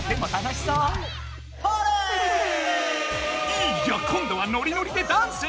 いや今度はノリノリでダンス！